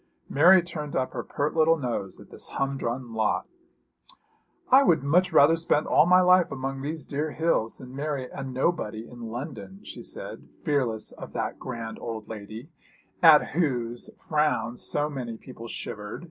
Mary turned up her pert little nose at this humdrum lot. 'I would much rather spend all my life among these dear hills than marry a nobody in London,' she said, fearless of that grand old lady at whose frown so many people shivered.